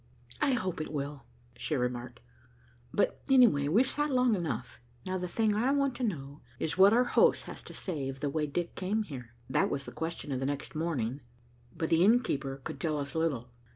"I hope it will," she remarked. "But, anyway, we've sat long enough. Now the thing I want to know is what our host has to say of the way Dick came here." That was the question of the next morning, but the innkeeper could tell us little.